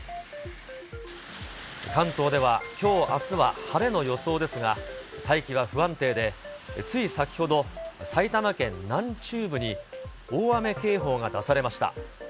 関東ではきょう、あすは晴れの予想ですが、大気は不安定で、つい先ほど、埼玉県南中部に大雨警報が出されました。